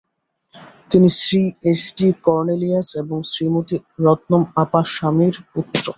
তিনি Shri SD Cornelius এবং শ্রীমতি রত্নম আপাস্বামীর পুত্র।